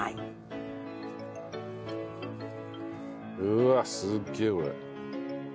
うわっすげえこれ。